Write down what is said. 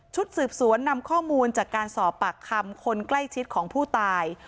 สืบสวนนำข้อมูลจากการสอบปากคำคนใกล้ชิดของผู้ตาย